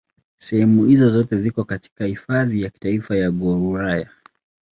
Sehemu hizo zote ziko katika Hifadhi ya Kitaifa ya Gouraya.